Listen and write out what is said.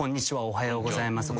おはようございます。